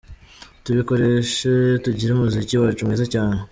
Tubikoreshe, tugire umuziki wacu mwiza cyane.